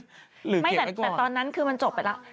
แต่ตอนนั้นคือมันจบไปแล้ว